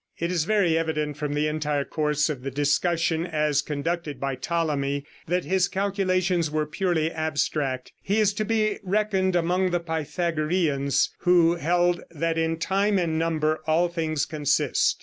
It is very evident from the entire course of the discussion as conducted by Ptolemy that his calculations were purely abstract. He is to be reckoned among the Pythagoreans, who held that in time and number all things consist.